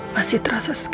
masih terasa sekali sakitnya